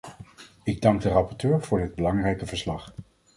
Ik dank de rapporteur voor dit belangrijke verslag.